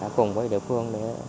cùng với địa phương